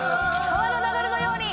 「川の流れのように」